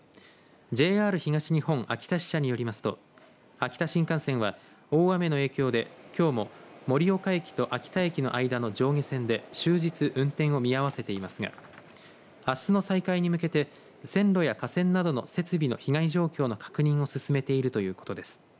ＪＲ東日本秋田支社によりますと秋田新幹線は大雨の影響できょうも盛岡駅と秋田駅の間の上下線で終日運転を見合わせていますがあすの再開に向けて線路や架線などの設備の被害状況の確認を進めているということです。